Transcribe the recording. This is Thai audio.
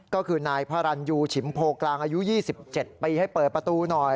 ก็คือนายพระรันยูฉิมโพกลางอายุ๒๗ปีให้เปิดประตูหน่อย